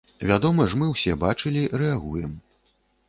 Вядома ж, мы ўсе бачылі, рэагуем.